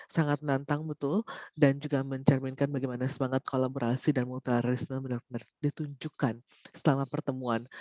sangat nantang betul dan juga mencerminkan bagaimana semangat kolaborasi dan multarisme benar benar ditunjukkan selama pertemuan